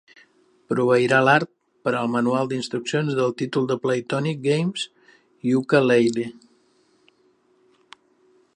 Proveirà l'art per al manual d'instruccions del títol de Playtonic Games, "Yooka-Laylee".